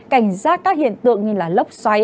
cảnh giác các hiện tượng như lốc xoáy